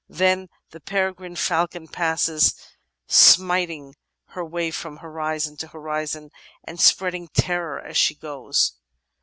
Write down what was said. Then the peregrine falcon passes, smiting her way from horizon to horizon, and spreading terror as she goes.